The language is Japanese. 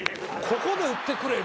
「ここで打ってくれ！